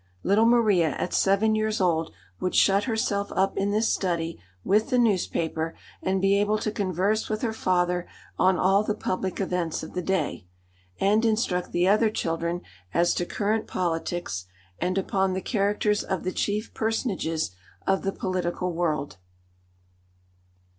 Little Maria at seven years old would shut herself up in this study with the newspaper, and be able to converse with her father on all the public events of the day, and instruct the other children as to current politics, and upon the characters of the chief personages of the political world.